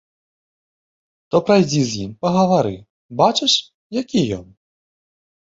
То прайдзі з ім, пагавары, бачыш, які ён?